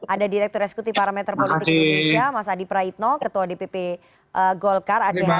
ada direktur esekutif parameter polis indonesia mas adi praitno ketua dpp golkar aceh hasan